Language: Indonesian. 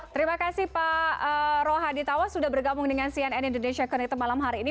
terima kasih pak rohadi tawa sudah bergabung dengan cnn indonesia connect malam hari ini